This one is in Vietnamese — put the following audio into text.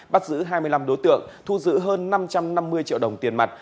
bắt giữ hai mươi năm đối tượng thu giữ hơn năm trăm năm mươi triệu đồng tiền mặt